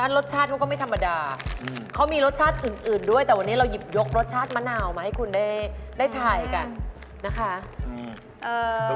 รสชาติเขาก็ไม่ธรรมดาเขามีรสชาติอื่นด้วยแต่วันนี้เราหยิบยกรสชาติมะนาวมาให้คุณได้ถ่ายกันนะคะ